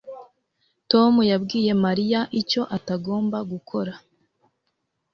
Tom yabwiye Mariya icyo atagomba gukora